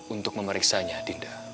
untuk memeriksanya dinda